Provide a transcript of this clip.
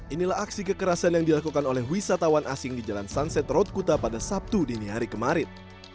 inilah aksi kekerasan yang dilakukan oleh wisatawan asing di jalan sunset road kuta pada sabtu dini hari kemarin